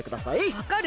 わかる？